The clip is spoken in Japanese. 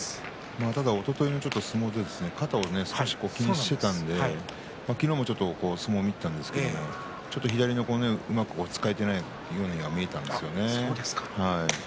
ただおとといの相撲で肩を気にしていましたので昨日も相撲を見ていたんですけれど左をうまく使えていないように見えたんですよね。